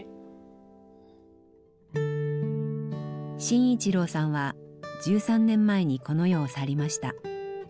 信一郎さんは１３年前にこの世を去りました。